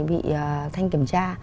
bị thanh kiểm tra